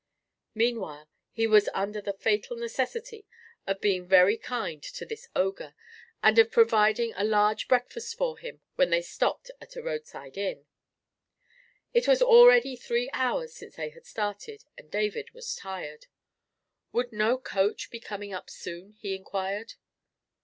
Meanwhile he was under the fatal necessity of being very kind to this ogre, and of providing a large breakfast for him when they stopped at a roadside inn. It was already three hours since they had started, and David was tired. Would no coach be coming up soon? he inquired.